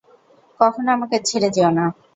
কখনো আমাকে ছেড়ে যেও না।